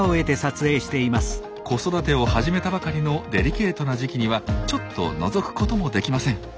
子育てを始めたばかりのデリケートな時期にはちょっとのぞくこともできません。